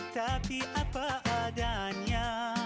tapi apa adanya